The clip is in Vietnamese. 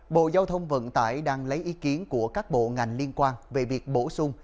bộ giao thông vận tải đang lấy ý kiến của các bộ ngành liên quan về việc bổ sung